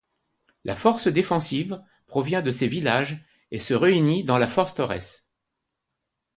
La force défensive provient de ces villages et se réunie dans la forteresse.